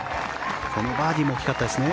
このバーディーも大きかったですね。